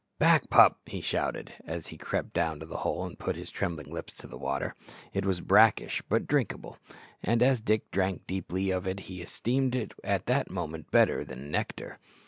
"Back, pup!" he shouted, as he crept down to the hole and put his trembling lips to the water. It was brackish, but drinkable, and as Dick drank deeply of it he esteemed it at that moment better than nectar.